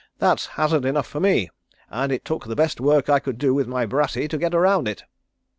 That's hazard enough for me and it took the best work I could do with my brassey to get around it."